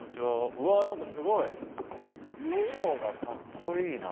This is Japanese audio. うわ何かすごい！衣装がかっこいいな。